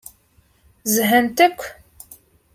Zhant akk.